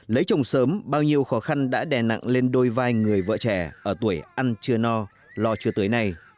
lấy chồng sớm bao nhiêu khó khăn đã đè nặng lên đôi vai người vợ trẻ ở tuổi ăn chưa no lo chưa tới nay